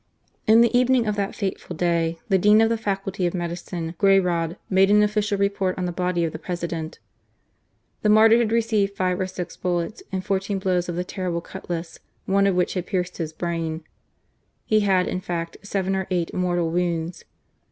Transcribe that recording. In the evening of that fatal day the Dean of the Faculty of Medicine, Guayraud, made an official report on the body of the President. The martyr GARCIA MORENO. had received five or six bullets and fourteen blows of the terrible cutlass, oue of which had pierced the brain. He had, in fact, seven or eight mortal wounds.